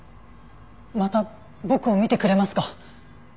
また僕を診てくれますか？